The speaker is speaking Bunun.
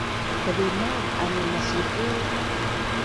kazimauk amin masipul